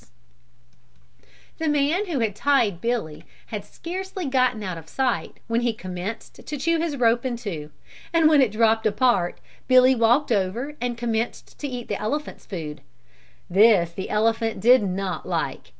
The man who had tied Billy had scarcely gotten out of sight when he commenced to chew his rope in two and when it dropped apart, Billy walked over and commenced to eat the elephant's food. This the elephant did not like.